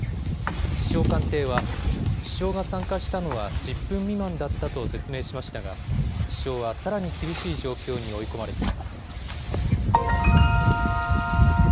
首相官邸は、首相が参加したのは１０分未満だったと説明しましたが、首相はさらに厳しい状況に追い込まれています。